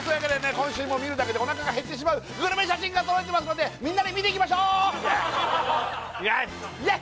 今週も見るだけでおなかが減ってしまうグルメ写真が届いてますのでみんなで見ていきましょうイェス！イェス！